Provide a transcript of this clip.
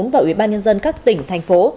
và ủy ban nhân dân các tỉnh thành phố